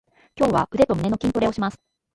今日は腕と胸の筋トレをします。